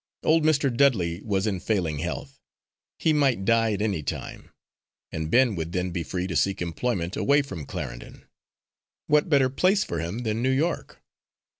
Old Mr. Dudley was in failing health; he might die at any time, and Ben would then be free to seek employment away from Clarendon. What better place for him than New York?